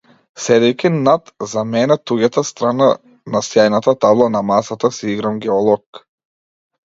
Седејќи над за мене туѓата страна на сјајната табла на масата си играм геолог.